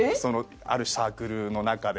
あるサークルの中で。